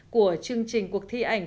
của chương trình cuộc thi ảnh